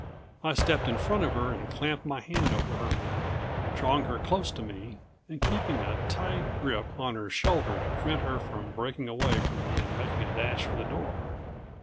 I stepped in front of her and clamped my hand over her mouth, drawing her close to me, and keeping a tight grip on her shoulder to prevent her from breaking away from me and making a dash for the door.